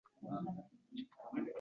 Mavhum zamon-makonda tugʼildim.